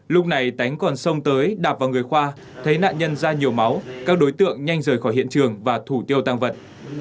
lúc này tánh còn xông tới đạp vào người khoa thấy nạn nhân ra nhiều máu các đối tượng nhanh rời khỏi hiện trường và thủ tiêu tăng vật